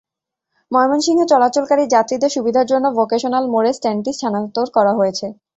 ময়মনসিংহে চলাচলকারী যাত্রীদের সুবিধার জন্য ভোকেশনাল মোড়ে স্ট্যান্ডটি স্থানান্তর করা হয়েছে।